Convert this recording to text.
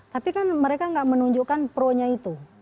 tapi kan mereka tidak menunjukkan pronya itu